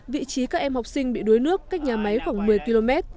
vị trí các em học sinh bị đuối nước cách nhà máy khoảng một mươi km